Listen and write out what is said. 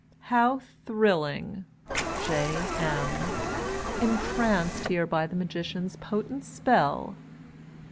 " How thrilling ! J. M."" " Entranced here by the Magician's potent spell.